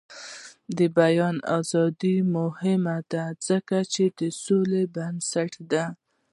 د بیان ازادي مهمه ده ځکه چې د سولې بنسټ دی.